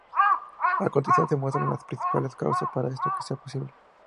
A continuación se muestran las principales causas para que esto sea posible.